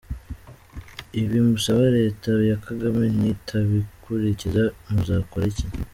Ibi musaba Leta ya Kagame nitabikurikiza, muzakora iki ?